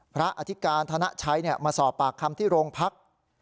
พระอธิการธนักใช้มาสอบปากคำที่โรงพัก